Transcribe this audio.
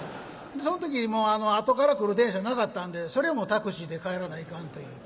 その時あとから来る電車なかったんでそれもタクシーで帰らないかんという。